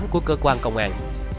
của cơ quan công an